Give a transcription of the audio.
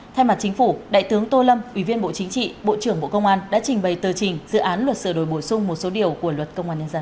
thay mặt chính phủ đại tướng tô lâm ủy viên bộ chính trị bộ trưởng bộ công an đã trình bày tờ trình dự án luật sửa đổi bổ sung một số điều của luật công an nhân dân